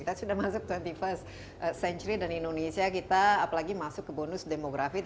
kita sudah masuk dua puluh first century dan indonesia kita apalagi masuk ke bonus demografi